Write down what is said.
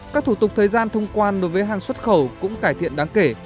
các thủ tục thời gian thông quan đối với hàng xuất khẩu cũng cải thiện đáng kể